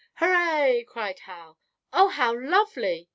"Hurray!" cried Hal. "Oh, how lovely!"